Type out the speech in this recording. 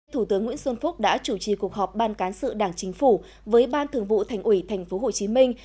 thủ tướng nguyễn xuân phúc đã chủ trì cuộc họp ban cán sự đảng chính phủ với ban thường vụ thành ủy thành phố hồ chí minh